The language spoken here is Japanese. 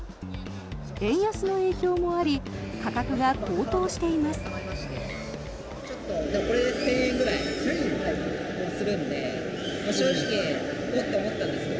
円安の影響もあり価格が高騰しています。